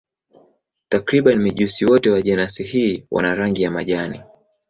Takriban mijusi wote wa jenasi hii wana rangi ya majani.